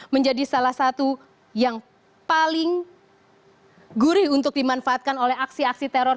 menjadi salah satu yang paling gurih untuk dimanfaatkan oleh aksi aksi teror